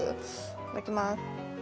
いただきます。